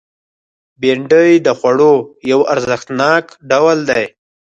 بېنډۍ د خوړو یو ارزښتناک ډول دی